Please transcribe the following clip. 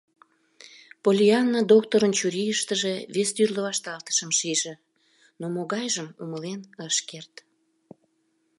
Поллианна докторын чурийыштыже вес тӱрлӧ вашталтышым шиже, но могайжым умылен ыш керт.